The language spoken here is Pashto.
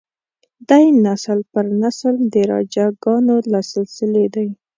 دی نسل پر نسل د راجه ګانو له سلسلې دی.